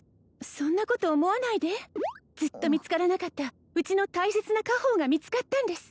そんなこと思わないでずっと見つからなかったうちの大切な家宝が見つかったんです